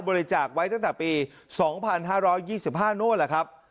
บริจาคไว้ตั้งแต่ปีสองพันห้าร้อยยี่สิบห้าโน้นเหรอครับ